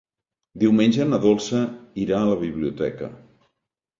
Diumenge na Dolça irà a la biblioteca.